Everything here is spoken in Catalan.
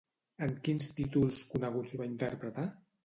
En quins títols coneguts va interpretar?